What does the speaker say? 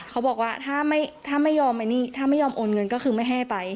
เขาบอกว่าถ้าไม่ยอมโอนเงินก็คือไม่ให้ไป